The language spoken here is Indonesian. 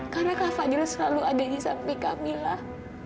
karena kak fadil selalu ada di samping kamilah